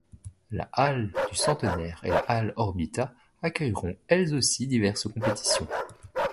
La Halle du Centenaire et la Halle Orbita accueilleront elles aussi diverses compétitions.